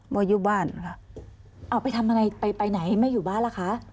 บอกอยู่บ้านค่ะอ้าวไปทำไงไปไหนไม่อยู่บ้านละคะ